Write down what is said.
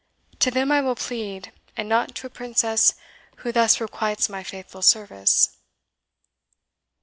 To them I will plead, and not to a princess who thus requites my faithful service."